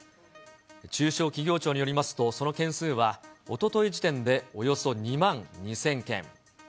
中小企業庁によりますと、その件数は、おととい時点でおよそ２万２０００件。